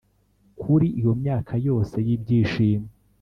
kuri iyo myaka yose y'ibyishimo. ..